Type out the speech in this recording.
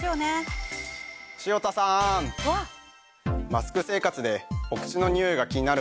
マスク生活で。